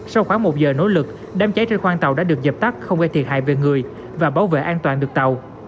sau khoảng một giờ nỗ lực đám cháy trên khoang tàu đã được dập tắt không gây thiệt hại về người và bảo vệ an toàn được tàu